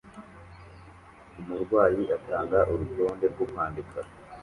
Umurwayi atanga urutonde rwo kwandika